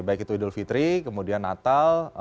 baik itu idul fitri kemudian natal